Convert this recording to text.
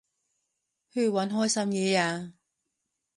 去搵開心嘢吖